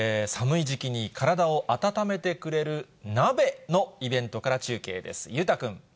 寒い時期に体を温めてくれる鍋のイベントから、中継です。